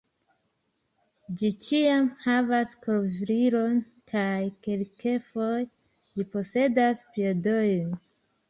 Ĝi ĉiam havas kovrilon kaj kelkfoje ĝi posedas piedojn.